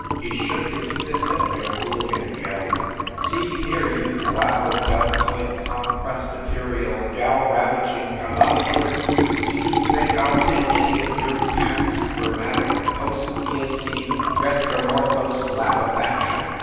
He shook his fist at Gilhooligan and yelled: "See here, you clavodeltoid compresbyterial galravaging Gonop teryx, do you think I ll take any of your pansper matic post eocene retromorphosed labefaction?